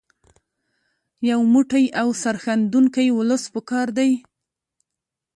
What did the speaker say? یو موټی او سرښندونکی ولس په کار دی.